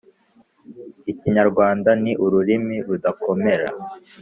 ikinyarwanda ni urururimi rudakomera